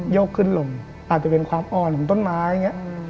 โยกขึ้นลงอาจจะเป็นความอ่อนของต้นไม้